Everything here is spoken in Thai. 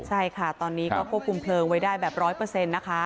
ใช่ค่ะตอนนี้ก็ควบคุมเพลิงไว้ได้แบบร้อยเปอร์เซ็นต์นะฮะ